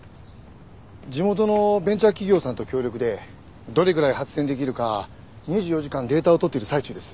地元のベンチャー企業さんと協力でどれぐらい発電できるか２４時間データを取っている最中です。